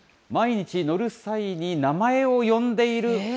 毎日乗る際に名前を呼んでいる。